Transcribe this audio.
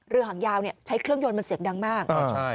เรือหางยาวเนี้ยใช้เครื่องยนต์มันเสียงดังมากอ่า